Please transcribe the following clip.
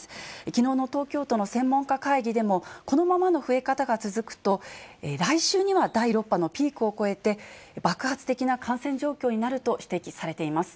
きのうの東京都の専門家会議でも、このままの増え方が続くと、来週には第６波のピークを越えて、爆発的な感染状況になると指摘されています。